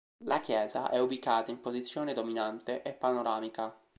La chiesa è ubicata in posizione dominante e panoramica.